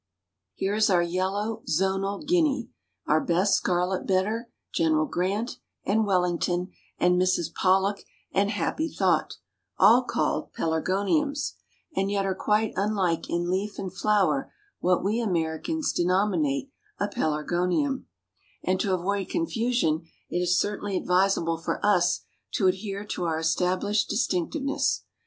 Here is our yellow Zonal Guinea; our best scarlet bedder, Gen. Grant, and Wellington, and Mrs. Pollock, and Happy Thought, all called Pelargoniums, and yet are quite unlike in leaf and flower what we Americans denominate a Pelargonium; and, to avoid confusion, it is certainly advisable for us to adhere to our established distinctiveness.